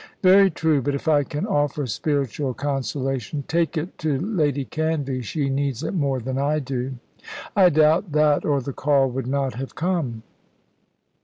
"Very true. But if I can offer spiritual consolation " "Take it to Lady Canvey. She needs it more than I do." "I doubt that, or the call would not have come."